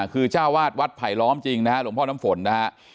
คือเจ้าวาดวัดไผลล้อมจริงนะฮะหลวงพ่อน้ำฝนนะฮะ